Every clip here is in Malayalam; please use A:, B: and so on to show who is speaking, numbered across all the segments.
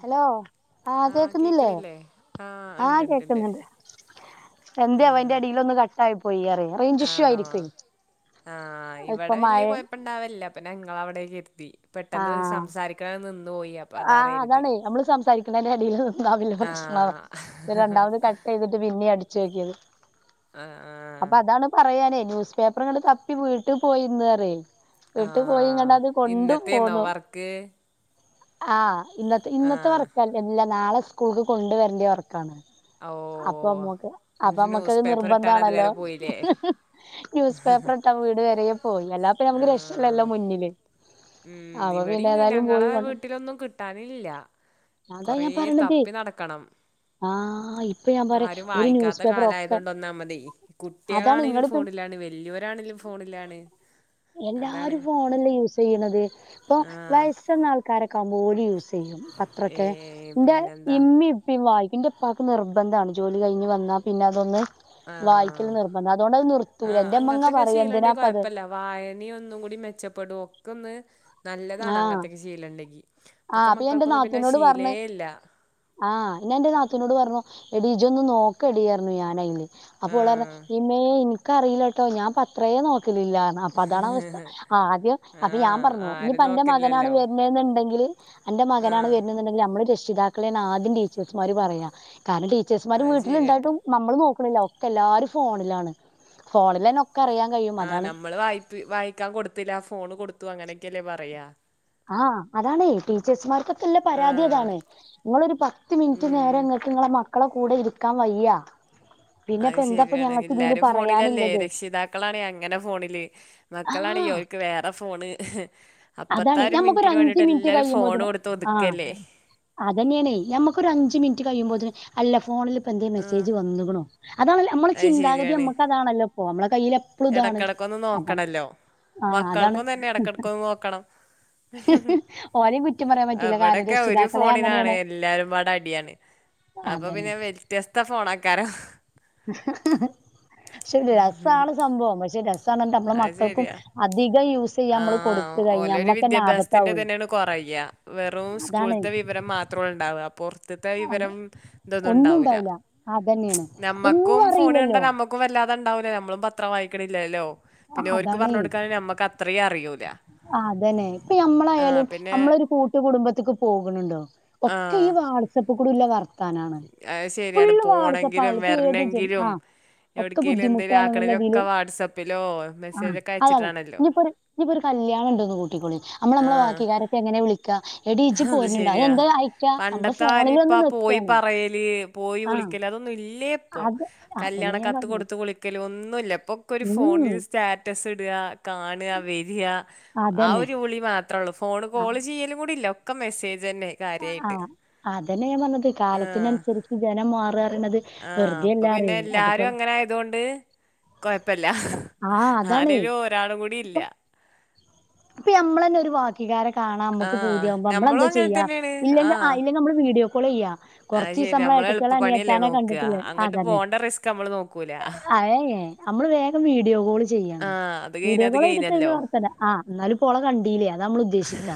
A: ഹലോ
B: ആഹ് കേക്ക്ണില്ലേ ആഹ് ഇണ്ട്ണ്ട്ണ്ട്.
A: എന്തെ ആവോ അയ്ന്റെ അടീലൊന്ന് കട്ടായി പോയി അറിയ റേഞ്ച് ഇഷ്യൂ
B: ആണോ
A: ആയിരിക്കുവേ
B: ആഹ്
A: ഇപ്പൊ
B: ഇവടെ
A: മഴ
B: വല്യ കൊഴപ്പണ്ടാവൽല്ല ഞാ ഇങ്ങളവിടെ കര്തി. പെട്ടെന്ന്
A: ആഹ്
B: സംസാരിക്കണ നിന്ന് പോയി. അപ്പൊ അതാന്ന് കര്തി.
A: സംസാരിക്ക്ണേന്റെ എടേല് നിന്നാ വല്യ പ്രശ്നാണ്. രണ്ടാമത് കട്ടെയ്തിട്ട് പിന്നെ അടിച്ചോക്കിയത്.
B: ആ
A: അപ്പ അതാണ് പറയാനേ ന്യൂസ് പേപ്പർ ങ്ങട്ട് തപ്പി വീട്ട് പോയിന്ന് അ റേ വീട്ട് പോയി ഇങ്ങട്ടത് കൊണ്ടും
B: തീന്നോ വർക്ക്?
A: ആഹ് ഇന്നത്തെ
B: ആ
A: ഇന്നത്തെ വർക്കല്ല. നാളെ സ്കൂൾക്ക് കൊണ്ട് വരേണ്ട വർക്കാണ്.
B: ഓ
A: അപ്പ മ്മക്ക്
B: എന്നിട്ട്
A: അപ്പമ്മക്കത്
B: ന്യൂസ് പേപ്പർ ഇട്ടാൻ
A: നിർബന്താണല്ലോ
B: അതുവരെ പോയില്ലേ
A: ന്യൂസ് പേപ്പർ വീട് വരെ പോയി. അല്ലാപ്പ
B: ആ
A: നമ്മക്ക് രക്ഷല്ലല്ലോ മുന്നില്.
B: ഉം
A: അപ്പൊ പിന്നെ
B: ഇവടിം
A: ഏതായാലും പോയി
B: ഞങ്ങളെ
A: കൊണ്ട
B: വീട്ടിലൊന്നും കിട്ടാനില്ല.
A: അതാ
B: കൊറേ
A: ഞാൻ പറയണത്
B: തപ്പി നടക്കണം.
A: ആഹ് ഇപ്പൊ ഞാൻ പറയാ
B: പ്പാരും
A: ഒരു ന്യൂസ്
B: വായിക്കാത്ത
A: പേപ്പർ
B: കാലയത്
A: ഒക്കെ
B: കൊണ്ട് ഒന്നാമതെ
A: അതാണ്
B: കുട്ട്യാളാണെങ്കിലും
A: നിങ്ങളിപ്പ
B: ഫോണിലാ ണ് വല്യൊരാണെങ്കിലും ഫോണിലാണ്. അതാണ്
A: എല്ലാരും ഫോണല്ലെ യൂസെയ്യ്ണത്. ഇപ്പൊ
B: ആഹ്
A: വയസ്സെന്ന ആൾക്കാരൊക്കാമ്പം ഓല് യൂസ് യ്യും
B: ഏ
A: പത്രൊക്കെ. ന്റെ
B: പിന്നെന്താ
A: ഇമ്മീം ഇപ്പിം വായി ന്റെ പ്പാക്ക് നിർബന്ധാണ്. ജോലി കഴിഞ്ഞ് വന്നാ പിന്നെ അതൊന്ന്
B: ആഹ്
A: വായിക്കല് നിർബന്ധ അതോണ്ട്
B: ആഹ് അങ്ങനയത്തൊക്കെ ശീലംയുണ്ടെങ്കിൽ കൊഴപ്പല്ല വായന ഒന്നും കൂടി മെച്ചപ്പെടും ഒക്കെ ഒന്ന്- നല്ലതാണ്
A: ആഹ്
B: അങ്ങനത്തെയൊക്കെ ശീലമുണ്ടെങ്കിൽ
A: ആഹ് അപ്പൊ എന്റെ നാത്തൂനോട് പറഞ്
B: ഇല്ല
A: ആ അയിന് എന്റെ നാത്തൂനോട് പറഞ് എടി ഇജ്ജ് ഒന്ന് നോക്കടി യർഞ് ഞാനയിന് അപ്പോൾ ഓളർഞ്
B: ആഹ്
A: ഇമ്മേൻ ക്ക് യെനിക്കറിയില്ല ട്ടോ ഞാൻ പത്രയേ നോക് ക്കലില്ല ന്നഅപ്പൊ അതാണ് അവസ്ഥ ആ ആദ്യം അപ്പൊ ഞാൻ
B: ആഹ്
A: പർഞു
B: ആരും
A: ഞ്ഞിപ്പ അന്റെ മകനാണ്
B: നോക്കില്ലല്ലോ
A: വരുന്നെന്നുണ്ടെങ്കില് എന്റെ മകനാണ്
B: ആഹ്
A: വരുന്നെന്നുണ്ടെങ്കിൽ നമ്മള് രക്ഷിതാക്കളെ ആദ്യം ടീച്ചേഴ്സ്മാര് പറയ്യാ കാരണം ടീച്ചേഴ്സ്മാരും
B: അത് ശരിയാണ്
A: വീട്ടിലുണ്ടായിട്ടും നമ്മള് നോക്കണില്ല ഒക്കെ എല്ലാരും ഫോണിലാണ് ഫോണിൽ തന്നെ
B: ആഹ് നമ്മള് വായിപ് വായിക്കാൻ കൊടുത്തില്ല ഫോണ് കൊടുത്തു അങ്ങനെക്കെല്ലേ പറയാ
A: ആഹ് അതാണ്ണേ ടീച്ചേഴ്സ്മാർക് ഇല്ല പരാതി
B: ആഹ്
A: അതാണ് നിങ്ങളൊരു പത്ത് മിനിറ്റ്
B: ഉം
A: നേരം ങ്ങക്ക് ങ്ങളെ മക് ക്കളെ കൂടെ ഇരിക്കാൻ വയ്യ പിന്നെപ്പ
B: അഹ്
A: എന്താപ്പ
B: ശരിയാണ്
A: ഞങ്ങക്ക് ഇതില്
B: എല്ലാരും ഫോണിലല്ലേ
A: പറയാനിള്ളത്
B: രക്ഷിതാക്കളാണെ അങ്ങനെ ഫോണില്
A: ആഹ്
B: മക്കളാണെഎ ക്ക് വേറെ ഫോണ് അപ്പത്തെ
A: അതാണ്
B: ആ ഒരു
A: നമുക്കൊരു
B: മിനിറ്റിന്
A: അഞ്ച്
B: വേണ്ടിട്ട്
A: മിനിറ്റ്
B: എല്ലാരും ഫോണ്
A: കഴിയുമ്പോത്തെനും
B: കൊടുത്ത്
A: ആ
B: ഒതുക്കല്ലേ
A: അതന്നെയണേ നമ്മക്കൊരു ഒരു അഞ്ച് മിനിറ്റ് കഴിയുമ്പോത്തെന് അല്ല ഫോണിൽ ഇപ്പൊ എന്തേ മെസ്സേജ് വന്ന്ക്ണോ അതാണല്ലൊ അമ്മളെ
B: അത്
A: ചിന്താഗതി
B: ശരിയാണ്
A: നമ്മക്കതാണല്ലോ പ്പൊ നമ്മള കയ്യിൽ എപ്പളും താണ്
B: എടക്കെടക്കൊന്ന്
A: അതാണ്
B: നോക്കണല്ലോ
A: ആ അതാണ്
B: മക്കൾക്കും ഉം ഉം
A: ഓരേം കുറ്റം പറയാൻ പറ്റൂല കാരണം
B: അവിടെക്കെ ഒരു
A: രക്ഷിതാക്കളെ
B: ഫോണിനാണ്
A: അങ്ങനെയാണ്
B: എല്ലാരുംപാട അടിയാണ് അപ്പൊ
A: അതന്നെ
B: പിന്നെ വ്യത്യസ്ത ഫോൺ ഐക്കാരോ
A: ക്ഷെ രസമാണ് സംഭവം പക്ഷെ രസ താണ് ന്റ മ്ള
B: അത്
A: മക്കൾക്കും
B: ശരിയാ
A: അതിക യൂസ്സ്
B: ആ ആ ഓലെ രു വിദ്യാഭ്യാസത്തിന്റെ
A: ആപത്താവുവേ.
B: തന്നെണ് കുറയ്യ വെറും
A: അതാണ്
B: സ്കൂളത്തെ വിവരം മാ ഉണ്ടാവപ്പോ ത്തെത്ത
A: ആണ്
B: വിവരം ഇതൊന്നും
A: ഒന്നും
B: ഉണ്ടാവൂല്ല
A: ഉണ്ടാവൂല. അതന്നെയാണ്. ഒന്നും
B: നമ്മക്കും ഫോണ്
A: അറിയില്ലല്ലോ.
B: കണ്ടൽ നമ്മക്കും വല്ലാ ണ്ടാവലൂല നമ്മളും പത്രം വായിക്കലില്ലല്ലോ പിന്നെ ഓര്ക് പർഞൊടുക്കാന് നമ്മക്ക് അത്രീ അറിയൂല
A: ആ അതന്നെ ഇപ്പൊ
B: ആ
A: നമ്മളായാലും
B: പിന്നെ
A: നമ്മളൊരു കൂട്ടു കുടുംബത്തേക്ക് പോകുണുണ്ടോ
B: ആ
A: ഒക്കെ ഈ വാട്സആപ്പ് കൂടി ള്ള വർ- ത്താനാണ്
B: അത് ശരിയാണ്
A: ഫുള്ള്
B: പോണെങ്കിലും
A: വാട്സപ്പാണല്ല ഇപ്പൊ ഏത് ജൻ ആ
B: വരണെങ്കിലും
A: ഒക്കെ
B: എവിടേക്കെങ്കിലും എന്തെങ്കിലും
A: ബുദ്ധിമുട്ടാണ്
B: ആക്കണേലും
A: പിന്നതില്
B: ഒക്കെ വാട്സപ്പിലോ
A: ആ
B: മെസ്സേജൊക്കെ
A: അതാണ്
B: അയച്ചിട്ടാണല്ലോ
A: ഇനിയിപ്പോ ഒരു ഇനിയിപ്പരു കല് ല്യാണണ്ടന്ന് കൂട്ടിക്കോളിൽ അമ്മള് മ്മളെ വാ
B: ആ
A: ക്കിക്കാരക്കെ എങ്ങനെ വിളിക്ക
B: അത് ശരിയാ
A: നമ്മള്
B: പണ്ടത്തെ ആര്
A: ഫോണിൽ വന്ന്
B: ഇപ്പ പോയി
A: നിക്കാണ്
B: പറയല് പോയി
A: ആ
B: വിളിക്കല് അത ഇല്യപ്പോ
A: അത് അതന്നെ
B: കല്യാണം
A: ഞാൻ
B: കത്ത്
A: പറഞ്ഞത്
B: കൊടുത്ത് വിളിക്കലൊന്നുല്യ പ്പൊക്കൊരു
A: ഉം
B: ഫോണിൽ സ്റ്റാറ്ററ്റസ് ഇടാ കാണാ വരാ ആ
A: അതന്നെ
B: ഒരുവിളി മാത്രള്ളൂ ഫോണ് കോള്ചെയ്യലും കൂടില്ല ക്ക മെസേ
A: കാണോ അതന്നെഞാപറ്ഞ്ഞത്
B: ആ
A: കാലത്തിനനുസരിച്ച് ജനം മാറാറിണത്
B: ആ അപ്പൊ പിന്നെല്ലാരുങ്ങനെ ആയതൊണ്ട് കൊയപ്പല്ല
A: ആ അതാണേ
B: ആരേലും ഒരാളുംകൂടി ഇല്ലാ
A: പ്പൊനമ്മളെന്നെ ഒരു വാ
B: ആ
A: കാണാമ്മക്ക് പൂതിയാഉമ്പോ
B: നമ്മളും അങ്ങനെ
A: നമ്മളന്താചെയ്യാ
B: തന്നെയാണ്.
A: ഇല്ലെങ്കെ ആ ഇല്ലെങ്കിനമ്മള് വീഡിയോ കോൾ ചെയ്യാ കുറച്ച് ദിവസം
B: അഹ്ശരി
A: നമ്മളെ
B: നമ്മള്
A: ഏട്ടത്തിയാളെ അനിയത്താനെ
B: എളുപ്പപണിയല്ലേനോക്കാ
A: കണ്ടിട്ടില്ലേ
B: അങ്ങട്ട്
A: അതന്നെ
B: പോണ്ടറിസ്ക് നമ്മള്നോക്കൂല
A: അയേ നമ്മള് വേഗം വീഡിയോകോൾ ചെയ് ചെയാണ്
B: അത് കഴിഞ്ഞ അത്
A: വീഡിയോകോളൈയ്തിട്ട്
B: കഴിഞ്ഞല്ലോ
A: അതിന്റെവർത്തന ആ ന്നാലുംപ്പോളെ കണ്ടീലേ അതാമ്മള് ഉദ്ദേശിക്കാ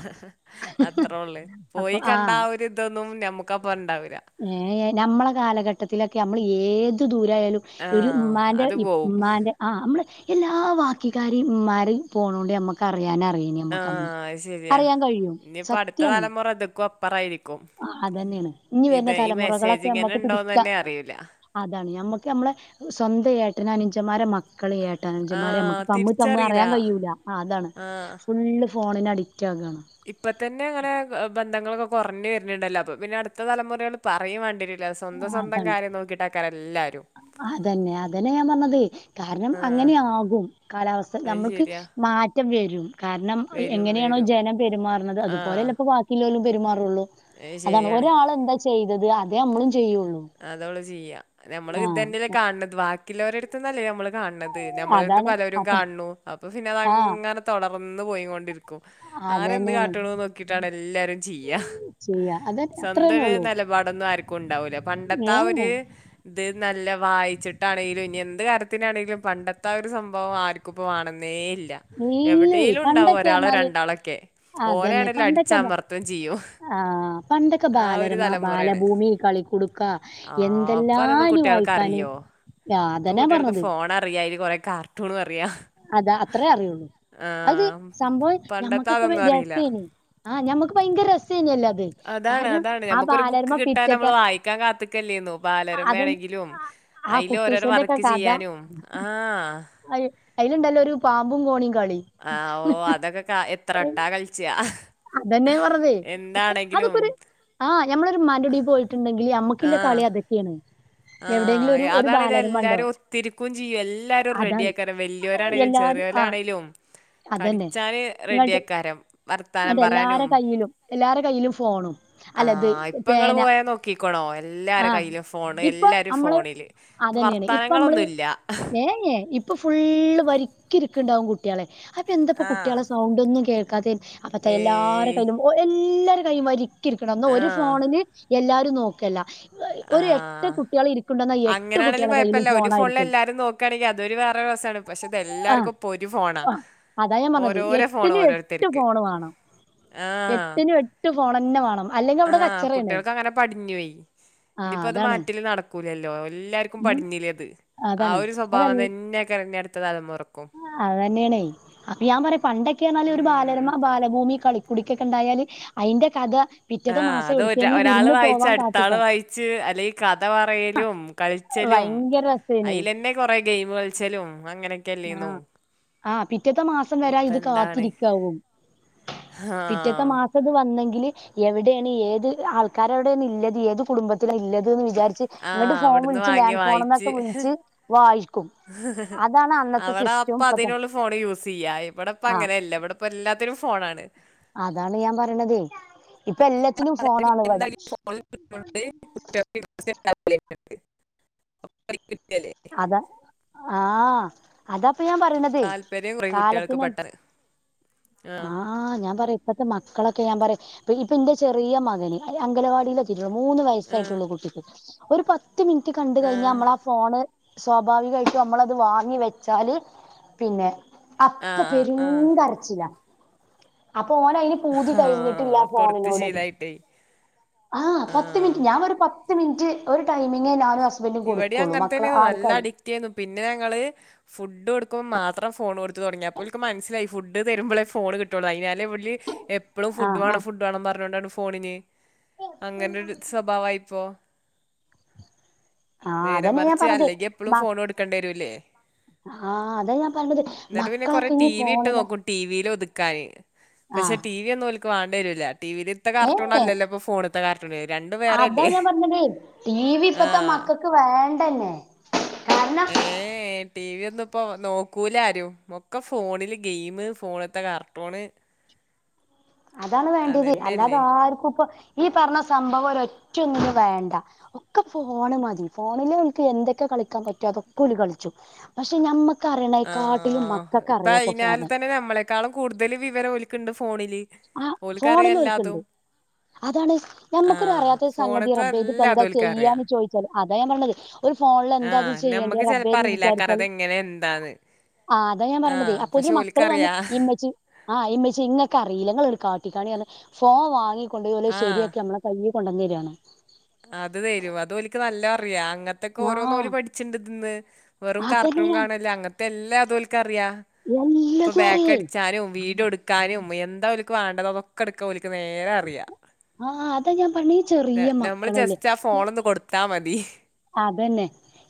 B: അത്രൊള്ള്
A: അപ്പൊ ആ
B: പോയികണ്ട ആഒരുതൊന്നും ഞമ്മുക്കപണ്ടാവൂല
A: ഏ എ നമ്മളെ കാലഘട്ടത്തിലൊക്കെ അമ്മള് ഏതു ദൂരായാലും
B: ആ
A: ഒരു ഉമ്മാൻ്റെ
B: അത്
A: ഇപ്
B: പോവും
A: മ്മാന്റെ ആ മ്മള് എല്ലാ വാക്കികാരിമ്മാരിം പോണൊണ്ട് നമ്മക്കറിയാനാ ഐനി
B: ആ
A: നമ്മക്കന്ന്
B: അത് ശരിയാ
A: അറിയാൻ കഴിയും
B: ഇനിയിപ്പോ അടുത്ത
A: സത്യാണ്
B: തലമുറ ഇതൊക്കെ അപ്പറായിരിക്കും
A: അതന്നേണ് ഇനിവർണെ
B: ഇത് ഈ മെസ്സേജ്
A: തലമുറകളൊക്കെ
B: ഇങ്ങനെ
A: നമ്മക്ക്
B: ഉണ്ടോന്ന്
A: പിടിക്കാം
B: തന്നെ അറിയില്ല
A: അതാണ് നമ്മക്ക് നമ്മളെ സ്വന്തയേട്ടനനി ഞ്ചമ്മാരെ മക്കള്
B: ആ
A: ഏട്ടനഞ്ചമാരെമ്മക്ക് തമ്മ് തമ്മ്
B: തിരിച്ചറിയില്ല
A: അറിയാൻ കഴിയൂല്ല അ അതാണ് ഫുള്ള് ഫോണിനടി
B: ഇപ്പതന്നെങ്ങനെ എ ബന്ധങ്ങളൊക്കെ കൊറ്ഞ്ഞ് ണ്ടല്ലോ അപ്പപിന്നെ അടുത്ത തലമുറേട് പറയുംവാണ്ടിരൂല
A: ആ
B: സ്വന്ത
A: അതാണ്
B: സ്വന്തംകാര്യം നോക്കിട്ടക്കാര് എല്ലാരും
A: അതന്നെ അതന്നെ ഞാൻ പറഞ്ഞതൈ കാരണം
B: ആ
A: അങ്ങനെയാകും കാലാവസ്ഥ
B: അത്
A: നമ്മൾക്ക്
B: ശരിയാ
A: മാ മാറ്റം വരും കാരണം എ
B: വരും
A: എങ്ങനെയാണോ
B: വരും
A: ജനം പെരുമാറുന്നത്
B: ആ
A: അതുപോലെല്ലപ്പോ ബാക്കിലോരും പെരുമാ ത്രള്ളൂ
B: അത്
A: അതാണ്
B: ശരിയാണ്
A: ഒരാളെന്താ ചെയ്തത് അതെമ്മളും
B: അതോള്ളുചെയ്യ നമ്മള്
A: ആഹ്
B: ഇതന്നെല്ലെ കാൺണത് ബാക്കിയുള്ളോരുന്നടുത്തന്നല്ലേ നമ്മള് കാണത് നമ്മളിരുതന്ന്
A: അതാണ്
B: പലരും
A: അപ്പൊ
B: കാൺണൂ അപ്പൊ
A: ആഹ്
B: പിന്നതങ്ങനെ തൊടർന്ന് പോയികൊണ്ടിരിക് ക്കും ആരെന്ത്
A: അതന്നെയാണ്
B: കാട്ട്ണൂ നോക്കിട്ടാണ് എല്ലാരും ചെയ്യ
A: ചെയ്യാ അത് അത്രന്നെ
B: സ്വന്തൊരു
A: ഉള്ളൂ
B: നെലപാടൊന്നും ആർക്കുംണ്ടാവൂല പണ്ടത്തെ
A: ഏഹ്
B: ആഒര് ത് നല്ല വായിച്ചിട്ടാണെലും ഇനിയന്ത്കാ താര്ത്തിനാണെങ്കിലും പണ്ടത്തെ ആഒര്സംഭവം ആർക്കുപ്പൊ വാണംന് ദേഇല്ല
A: ഇല്ലേ
B: എവടേലുണ്ടാവും
A: പണ്ടൊക്കെ
B: ഒരാളോ
A: പറഞ്ഞാല്
B: രണ്ടാളൊക്കെ
A: അതന്നെ.
B: ഓലാണെ
A: പണ്ടൊക്കെ ബ
B: അടിച്ചാമർത്തുംചെയ്യും
A: ആഹ് പണ്ടൊക്കെ
B: ആ ഒരു
A: ബാലരമ,
B: തലമുറേണ്
A: ബാലഭൂമി, കളിക്കുടുക്ക
B: ആ പ്പതൊന്നും
A: എന്തെല്ലാനി വായിക്കാന്.
B: കുട്ടൃൾക്കറിയോ
A: ആ
B: ഇപ്പൊ
A: അതന്നാ
B: കുട്ടൃൾക്ക്
A: പറഞ്ഞത്.
B: ഫോണറിയാ അയ്ല് കൊറെകാർട്ടൂണറിയാ
A: അതാ അത്രേ അറിയൊള്ളൂ അത് സംഭവം
B: പണ്ടത്തെ
A: ഞമ്മക്കൊക്കെേ
B: അതൊന്നും അറിയില്ല
A: [unintelligible] ആ ഞമ്മക്ക് ഭയങ്കരരസ
B: അതാണ് അതാണ് ഞമ്മക്കൊരു ബുക്ക്
A: ബാലരമ
B: കിട്ടാൻ നമ്മള്
A: പിറ്റത്തെ
B: വായിക്കാൻ കാത്ത്ക്കല്ലേനു
A: അതന്നെ
B: പാലരമേണങ്കിലും
A: ആ ആ
B: അയില് ഓരോരോ
A: കുട്ടൂസന്റെ ഒക്കെ
B: വർക്ക്
A: കഥ
B: ചെയ്യാനും ആ
A: അയ് അയ്ല്ണ്ടല്ലോ ഒരു പാമ്പും കോണിം
B: ആ ഓ അതൊക്കെ കാ എത്രൊട്ടാ കളിച്ചാ
A: അതെന്നെ പറഞ്ഞൈ ഒക്കെ അതൊക്കൊര് ആ ഞമ്മളൊരുമ്മാൻ്റൊടീ പോയിട്ടുണ്ടെങ്കില്
B: ആ
A: അമ്മക്കില്ലകളി അതൊക്കേണ്
B: ആ ഐ അതാണേല് ല്ലാരും
A: ഉണ്ടാവും
B: ഒത്തിരിക്കുംചെയ്യും എല്ലാരും
A: അതാണ്.
B: റെഡിഐകാരം വല്ലൃരാണേലും
A: എല്ലാരും ആ
B: ചെറിയോരാണെലും കളിച്ചാന് റെഡിഐക്കാരം
A: അതെ എല്ലാരെകയ്യിലും എല്ലാരെ കയ്യിലുംഫോണും
B: ആ ഇപ്പൊങ്ങള് പോയ നോക്കിക്ക്ണോ എല്ലാരെ
A: ആ
B: കയ്യിലും ഫോണ് എല്ലാരും ഫോണില് ഇപ്പൊ
A: അതന്നേണ് ഇപ്പമ്മള്
B: വർത്താനങ്ങളൊന്നുല്ല
A: ഏ ഏ ഇപ്പൊ ഫുള്ള് വരി ക്ക് ഇരിക്കുണ്ടാവും കുട്ടൃള് അതെന്തൊപ്പൊ
B: ആഹ്
A: കുട്ടൃളെ സൗണ്ടൊന്നും കേൾക്കാതെ അപ്പത്ത എല്ലാരെ
B: ഏയ്
A: കയ്യിലും ഒരെല്ലാരും കൈവരിക്കി ഇരിക്കണം ന്ന ഒര്
B: ആഹ്
A: ഫോണിന് എല്ലാരും നോക്കല്ല ഒരു എട്ട്
B: ആഹ്
A: കുട്ടൃള് ഇരിക്ക്ണ്ടോ ന്നാ എട്ട്
B: അങ്ങനാണേലും
A: കുട്ടൃളെകയ്യിലും
B: കൊഴപ്പല്ല ഒരു ഫോണില്
A: ഫോണായിരിക്കും
B: എല്ലാരും നോക്കാണെങ്കി അതൊരു വേറെ രസാണ് പക്ഷെ ഇത്
A: ആ
B: എല്ലാർക്കും ഇപ്പൊ ഒരു ഫോണാ
A: ആ അതാഞാപറ്ഞ്ഞത്
B: ഓരോരോ ഫോണ്
A: എട്ടിന് എട്ട്
B: ഓരോരുത്തർക്ക്
A: ഫോണ് വാ അ എട്ടിനും എട്ട് ഫോണെന്നെ വേണം. അല്ലെങ്കിൽ അവിടെ
B: ആഹ
A: കച്ചറയാണ്
B: കൂട്ടിയാൾക്ക് അങ്ങനെ പടിഞ്ഞോയി
A: ആഹ്
B: ഞ്പ്പോ അത്
A: അതാണ്
B: മാറ്റല് നടക്കൂലല്ലോ ല്ലാര്ക്കും
A: ഉം
B: പടിഞ്ഞിലേ അത് ആ
A: അതാണ്
B: ഒരു സ്വഭാവം തന്നേക്കാരം അടുത്ത തലമുറ
A: ആ അതന്നേണെ അപ്പൊ ഞാ പറിയ പണ്ടൊക്കെർഞ്ഞാൽ ഒരു
B: ഉം
A: ബാലര്മ ബാലഭൂമി കളി കുടിക്കക്കണ്ടായാല് അയിന്റെ കഥ.
B: ആ
A: പിറ്റത്തെ മാസം
B: അത് ഒര
A: യൗട്ക്കെങ്കിലും
B: ഒരാള്
A: വിര്ന്ന് പോവാൻ കാത്ത്ക്ക.
B: ഥ പറയലും കളിച്ചലും
A: ഭയങ്കര രസേനി
B: അയിലെന്നെ കൊറെ ഗെയിമ് കളിച്ചലും അങ്ങനെ
A: ആഹ് ആഹ് പിറ്റത്തെ മാസം വരാ
B: ഇപ്പൊ
A: ഇത്
B: എന്താണ്
A: കാത്തിരിക്കാവും.
B: ആ
A: പിറ്റത്തെ മാസം ഇത് വ ന്നെങ്കിൽ എവിടേണ് ഏത് അ ആൾക്കാരോടേണ് ഇല്ലത് ഏത് കുടുംബത്തിലാ ഇല്ലത്. [unintelligible] വിജാര്ച്ച്
B: ആ
A: ഇങ്ങട്ട് ഫോൺ
B: അവിടുന്ന്
A: വിള്ച്ച്
B: വാങ്ങി
A: ലാൻ
B: വായിച്ച്
A: ഫോണ്ന്നൊക്കെ വിള്ച്ച് വായിക്കും അ
B: അവടെ അപ്പ അതിനുള്ളു ഫോണ് യൂസയ്യാ ഇവിടെപ്പ
A: ആഹ്
B: അങ്ങനെല്ല ഇവിടെപ്പ എല്ലാത്തിനും ഫോണാണ്.
A: അതാണ് ഞാൻ പറിണത്.
B: [unintelligible] [unintelligible]
A: ആ അത പ്പ ഞാൻ പറിണതേ
B: താല്പര്യം കുറയും കുട്ടികൾക്ക്
A: കാലത്തിനൻ
B: പെട്ടെന്ന്
A: ആ ഞാൻ പറിം. ഇപ്പത്തെ മക്കളൊക്കെ ഞാൻ പറിം പ്പ ഇപ്പന്റെ ചെറിയ മകന് അങ്കലവാടിയിലെ മൂന്ന്
B: ആ
A: വയസായിട്ടൊള്ളു കുട്ടിക്ക് അപ്പൊര് പത്ത് മിൻറ്റ് കണ്ട്
B: ആ
A: കയ്ഞ്ഞാമ്മളാ ഫോണ് സ്വാഭാവികായിട്ടും മ്മളത് വാങ്ങി വെച്ചാല് പിന്നെ
B: ആ
A: അപ്പൊ
B: ആ ആ
A: പെരുംക്കരച്ചില പ്പൊ ഓനയ്ന് പൂതി കയ്ഞ്ഞിട്ടില്ലാ
B: ആഹ് കൊടുത്ത്
A: ഫോണിനോട്
B: ശീലായിട്ടേ
A: ആ പത്ത്
B: ആഹ്
A: മിൻറ്റ് ഞാൻ വെറും പത്ത് മിൻറ്റ് ഒര് ടൈമിങ്ങേ ഞാനും ഹസ്ബൻഡും
B: ഇവിടേം
A: കൊട്ക്കാെള്ളു മ
B: [unintelligible] നല്ല അഡിക്റ്റേന്നു പിന്നെ ഞങ്ങള് ഫുഡോടുക്കുമ്പോ മാത്രം ഫോണൊ തൊടങ്ങിയപ്പോൽക്ക് മൻസ്സിലായി ഫുഡ് തരുമ്പളേ ഫോണ് കിട്ടാെള്ളൂ അയ്നാലെവല് എപ്പളും ഫുഡ്
A: ആ
B: വാണം ഫുഡ് വാണം പറഞ്ഞോണ്ടാണ് ഫോണിന്
A: ആ
B: അങ്ങനൊരു സ്വഭാവായിപ്പൊ
A: [inaudible]
B: നേരെ
A: അതന്നെ ഞാൻ
B: മറിച്ച്
A: പറഞ്ഞത്
B: അല്ലെങ്കി എപ്പളും
A: മ
B: ഫോണാെട്ക്കണ്ട്യെരൂല്ലേ
A: ആഹ് അതാ ഞാൻ പറഞ്ഞത്
B: ന്നിട്ട് പിന്നെ കൊറേ
A: മക്കളൊക്കെ ഇനി
B: ടീവിട്ട്
A: ഫോണിലാ
B: നോക്കും ടീവീല് ഒത് ക്കാന് പഷേ
A: ആഹ്
B: ടീവിയൊന്നും ഓൽക്ക് വാണ്ട്യരൂല ടീവില്ത്തെ
A: ഏഹ്
B: കാർട്ടൂണല്ലല്ലോ പ്പ ഫോണ്ത്തെ കാർ
A: അതാ ഞാൻ പറഞ്ഞതെ ടീവിപ്പത്തെ
B: ആഹ്
A: മക്കക്ക് വേണ്ടന്നെ കാരണം
B: ഏ എ ടീവിയൊ ന്ന്പ്പോ നോക്കൂല ആരും ഒക്കെ ഫോണില് ഗെയിം ഫോണ്ത്തെ കാർട്ടൂണ്
A: അതാണ് വേണ്ടിത് അല്ലാതെ
B: അതന്നെയല്ലേ
A: ആർക്കുംപ്പം ഈ പർഞ്ഞ സംഭവം ഒരൊറ്റൊന്നിനു വേണ്ട ഒക്കെ ഫോണ് മതി ഫോണില്ൽക് എന്തൊക്കെ ക കളിക്കാൻ പറ്റോ അതൊക്കോല് കള്ച്ചും പഷേ ഞമ്മ
B: ആ ഇപ്പ അയ്നാല്
A: ഫോണ്
B: തന്നെ നമ്മളെക്കാളും കൂട്തല് വിവരം ഒൽക്ക്ണ്ട് ഫോണില്
A: ആ
B: ഓൽക്കറിയാം
A: ഫോണ്ല് ഓൽക്ക്ണ്ട്
B: എല്ലാതും
A: അതാണ്
B: ആ
A: ഞമ്മക്കൊരു അറ്യാത്തൊരു സംഗതി
B: ഫോണത്തെ
A: റബ്ബേ ഇത്പ്പെന്താ
B: എല്ലാതും ഓൽക്കറിയാ
A: ചെയ്യാന്ന് ചോയ്ച്ചാല് അതാ ഞാൻ പറിണത് ഒരു ഫോൺല്
B: ആ
A: എന്താത് ചെയ്യേണ്ടി
B: നമ്മക്ക് ചെലപ്പോ
A: റബ്ബേന്ന്
B: അറിയില്ല
A: വിചാരിച്ചാല്
B: കറത് എങ്ങനെ എന്താന്ന്
A: ആ അതാ ഞാൻ
B: ആ
A: പറിണതേ
B: പക്ഷെ
A: അപ്പോത്തിന് മക്കള് വന്ന്
B: ഓൽക്കറിയാ
A: ഇമ്മച്ചി ആ ഇമ്മച്ചി ഇങ്ങക്കറീല ഇങ്ങള് കാട്ടിക്കാണിർഞ്ഞ് ഫോ വാങ്ങികൊണ്ടോയി ഓലത്
B: ആ
A: ശര്യാക്കി നമ്മളെ കയ്യ് കൊണ്ടെന്നെരാണ്
B: അത് തരും അതോൽക്ക് നല്ലൊറിയാ അങ്ങൻത്തൊക്കെ
A: ആഹ്
B: ഓരോന്നോല് പഠിച്ചിണ്ട്ത് ന്ന് വെറും
A: അതന്നെ
B: കാർട്ടൂൺ
A: ഞാൻ
B: കാണല്ല അങ്ങൻത്തെ എല്ലാതും ഒൽക്ക റിയാ ഇപ്പ
A: എല്ലതും അറിയേ
B: ബേക്കട്ച്ചാനും വീഡിയോട്ക്കാനും എന്താ ൽക്ക് വാണ്ടത് അതൊക്കെട്ക്കാ ഓൽക്ക് വേഗറിയാ
A: ആ അതാ ഞാൻ പർഞ്ഞ് ഈ ചെറിയ
B: ഞമ്മള്
A: മക്കളല്ലേ
B: ജസ്റ്റ് ആ ഫോണൊന്ന് കൊട്ത്താ മതി
A: അതന്നെ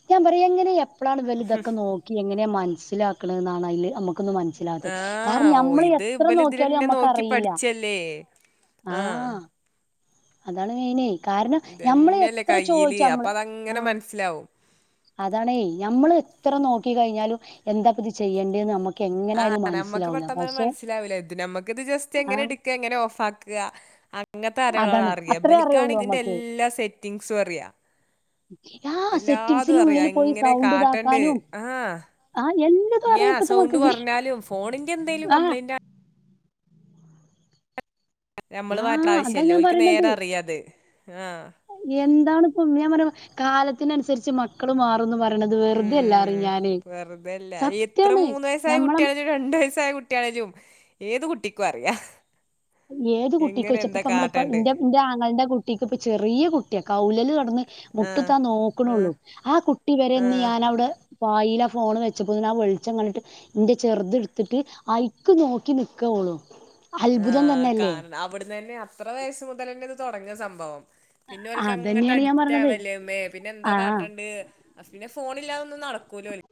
A: ഞാൻ പറിയാ എങ്ങനെ എപ്പ്ളാണ് ഇവല്തൊക്കെ നോക്കി ങ്ങനെ മനസ്സിലാക്ക്ണ്ന്നാണ് അയ്ല് മ്മ ക്കുന്നു മൻസ്സിലാവത്തെ
B: ആ
A: കാരണം
B: ഓ
A: ഞമ്മൾ
B: ഇത്
A: എത്ര
B: ഇബല്
A: നോക്കിയാലും
B: ഇതിലെന്നെ
A: ഞമ്മക്ക്
B: നോക്കി
A: അറിയില്ല
B: പഠിച്ചല്ലേ ആ
A: ആഹ് അതാണ് മെയിനേ കാരണം ഞമ്മള്
B: ഇതന്നെയല്ലേ
A: എത്ര
B: കയ്യില്
A: ചോയ്ച്ച്
B: അപ്പൊ
A: അമ്മള്
B: അതങ്ങനെ
A: ആ
B: മനസ്സിലാവും
A: അതാണേ നമ്മള് എത്ര നോക്കി കയ്ഞ്ഞാലും എന്താപ്പത് ചെയ്യേണ്ടന്ന് നമ്മ
B: ആ നമ്മക്ക് പെട്ടെന്ന് അത് മൻസ്സിലാവൂല ത് നമക്ക്ത് ജസ്റ്റ്
A: ആഹ്
B: എങ്ങനെട്ക്ക എങ്ങനെ ഓഫ് ആക്ക ക്ക അങ്ങൻത്തെ കാര്യങ്ങള
A: അതാണ്
B: അറിയ
A: അത്രേ
B: ബൽക്കാണ്
A: അറിയുള്ളൂ
B: ഇതിന്റെ
A: നമ്മക്ക്
B: എല്ലാ സെറ്റിങ്സും അറിയാ
A: ആഹ്
B: എല്ലാതും
A: സെറ്റിംഗ്സിന്റെ
B: അറിയാം
A: ഉള്ളില് പോയി
B: എങ്ങനെ
A: സൗണ്ട്
B: കാട്ടേണ്ട്
A: ഇതാക്കാനും
B: ആ
A: ആഹ് എല്ലതും
B: ഞാ
A: അറിയാം ഇപ്പത്തെ
B: സൗണ്ട്
A: മക്കക്ക്
B: കൊർഞ്ഞാലും ഫോണിന്റെ എന്തേലും
A: ആഹ്
B: കംപ്ലൈന്റാ ഞമ്മള് മാറ്റ
A: ആഹ് അതാ
B: ആവശ്യല്ല
A: ഞാൻ
B: ഓല്ക്ക്
A: പറയണത്
B: നേരെറിയത് ആ
A: അതാണിപ്പം ഞാൻ പറഞ്ഞ കാലത്തിനൻസര്ച്ച് മക്കള് മാറുംന്ന് പറയ്ണത് വെറുതെല്ലാറിം
B: ഉം
A: ഞാനേ
B: വെറുതെല്ല എത്ര മൂന്ന് വയസ്സായ കുട്ട്യാണെലും രണ്ട് വയസ്സായ കുട്ട്യാണെലും ഏത് കുട്ടിക്കും അറിയാ
A: ഏത് കുട്ടിക്കാേയ്ച്ചപ്പപ്പോ മ്മള്പ്പൊ ഇന്റെ ഇന്റെ ആങ്ങൾന്റെ കുട്ടിക്ക്പ്പ് ചെറിയ കുട്ട്യാ കൗ ല് കടന്ന്
B: ആഹ്
A: മുട്ട്ത്താൻ
B: ആഹ്
A: നോക്ക്ണാെള്ളൂ ആ കുട്ടി വരെ ഇന്ന്
B: ആഹ്
A: ഞാൻ അവ്ടെ പായിലാ ഫോണ് വെച്ചപ്പോതിന്ന് ആ വെൾച്ചം കണ്ടിട്ട് ഇന്റെ ചെർത്ട്ത്ത്ട്ട് അയ്ക്ക് നോക്കി നിക്ക ഒ [unintelligible]
B: ആ കാനനം അവിടന്നെന്നെ അത്ര വയസ്സ് മുതൽ തന്നെ ഇത് തെടങ്ങ സംഭവം പിന്നേ ഓൽക്കങ്ങട്ട്
A: അതന്നെയാണ് ഞാൻ പറഞ്ഞത്
B: അഡിക്റ്റവല്ലേന്ന് പിന്നെന്താ
A: ആഹ്
B: കാട്ടെണ്ട് അഫിനെ സ് ഫോണില്ലാതൊന്നും നടക്കൂലോല്